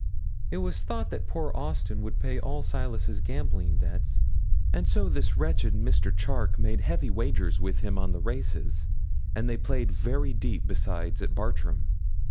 It was thought that poor Austin would pay all Silas's gambling debts, and so this wretched Mr. Charke made heavy wagers with him on the races, and they played very deep, besides, at Bartram.